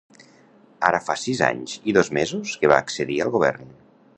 Ara fa sis anys i dos mesos que va accedir al govern.